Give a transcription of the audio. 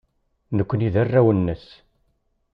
Nekkni d arraw-nnes.